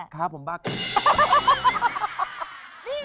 ครับผมบ้าเกม